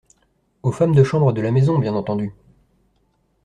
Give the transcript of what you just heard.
Aux femmes de chambre de la maison, bien entendu !